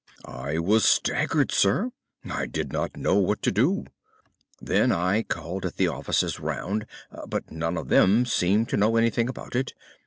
"I was staggered, sir. I did not know what to do. Then I called at the offices round, but none of them seemed to know anything about it.